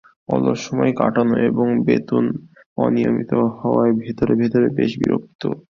অলস সময় কাটানো এবং বেতন অনিয়মিত হওয়ায় ভেতরে ভেতরে বেশ বিরক্ত দুই কোচ।